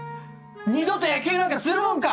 二度と野球なんかするもんか！